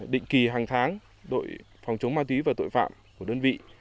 định kỳ hàng tháng đội phòng chống ma túy và tội phạm của đơn vị